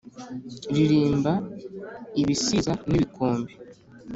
Ririmba ibisiza n'ibikombe